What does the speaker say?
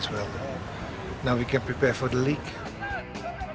sekarang kita bisa bersiap untuk perlindungan